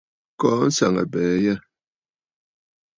Kɔɔ nsaŋabɛ̀ɛ yâ.